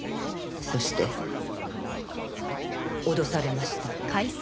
そして脅されました。